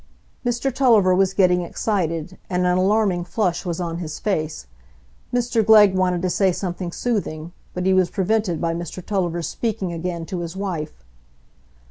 Mr Tulliver was getting excited, and an alarming flush was on his face. Mr Glegg wanted to say something soothing, but he was prevented by Mr Tulliver's speaking again to his wife.